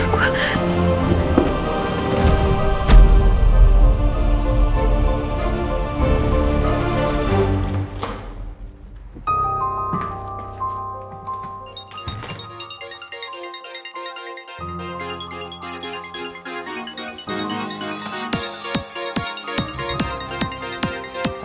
gue gak mau